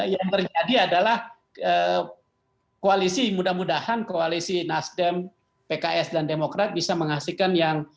yang terjadi adalah koalisi mudah mudahan koalisi nasdem pks dan demokrat bisa menghasilkan yang